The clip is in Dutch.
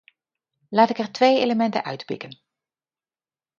Laat ik er twee elementen uitpikken.